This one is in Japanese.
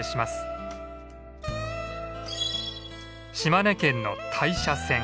島根県の大社線。